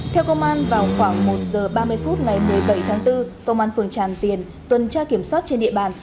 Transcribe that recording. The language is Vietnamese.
theo công an vào khoảng một giờ ba mươi phút ngày một mươi bảy tháng bốn công an phường tràng tiền tuần tra kiểm soát trên địa bàn